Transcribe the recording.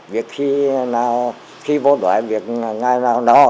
việc khi nào khi bố nói việc ngày nào no